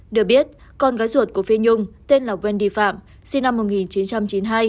được biết con gái ruột của phi nhung tên là vendi phạm sinh năm một nghìn chín trăm chín mươi hai